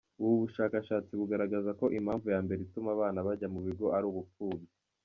Ubu bushakashatsi bugaragaza ko impamvu ya mbere ituma abana bajya mu bigo ari ubupfubyi.